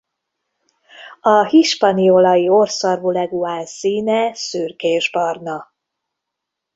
A hispaniolai orrszarvú leguán színe szürkésbarna.